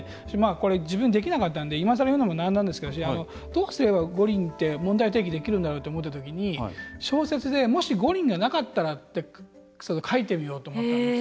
自分、できなかったのでいまさら言うのも何なんですけどどうすれば五輪って問題提起できるんだろうって思ったときに、小説でもし、五輪がなかったらって書いてみようと思ったんです。